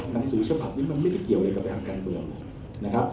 ทำฐานฐิสิวชภาพนี้มันไม่เกี่ยวอะไรกับทางการเมืองเลย